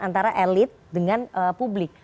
antara elit dengan publik